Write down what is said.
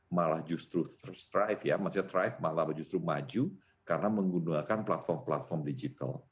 malah justru thrive malah justru maju karena menggunakan platform platform digital